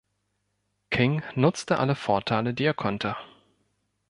King nutzte alle Vorteile, die er konnte.